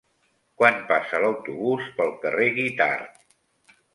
Quan passa l'autobús pel carrer Guitard?